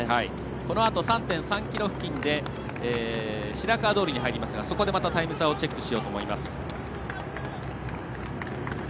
このあと３．３ｋｍ付近で白川通に入りますがそこでまた、タイム差をチェックしようと思います。